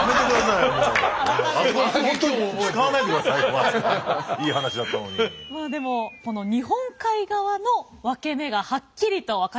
まあでも日本海側のワケメがはっきりと分かりました。